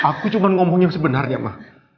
aku cuma ngomong yang sebenarnya mah